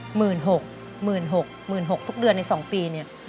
หมื่นหกหมื่นหกหมื่นหกทุกเดือนในสองปีเนี่ย